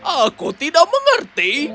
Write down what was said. aku tidak mengerti